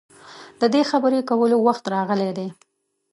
د دې خبرې کولو وخت راغلی دی.